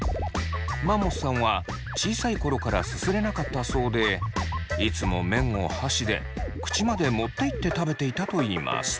マンモスさんは小さい頃からすすれなかったそうでいつも麺を箸で口まで持っていって食べていたといいます。